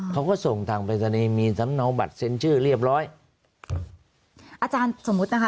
เขาก็ส่งทางปริศนีย์มีสำเนาบัตรเซ็นชื่อเรียบร้อยอาจารย์สมมุตินะคะ